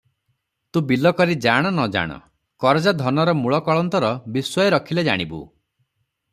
"ତୁ ବିଲ କରି ଜାଣ ନ ଜାଣ, କରଜା ଧନର ମୂଳ କଳନ୍ତର ବିଶ୍ଵଏ ରଖିଲେ, ଜାଣିବୁ।"